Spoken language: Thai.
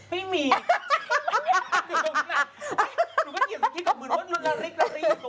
ไม่มีคันนี้หรอ